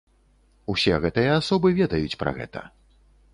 Усе гэтыя асобы ведаюць пра гэта.